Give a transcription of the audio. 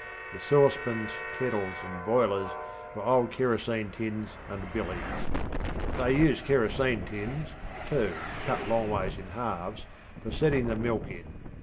The saucepans, kettles, and boilers were old kerosene tins and billies. They used kerosene tins, too, cut longways in halves, for setting the milk in.